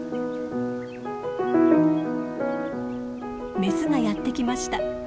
メスがやって来ました。